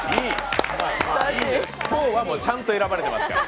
今日はちゃんと選ばれてますから。